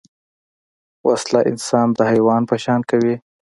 وسله انسان د حیوان په شان کوي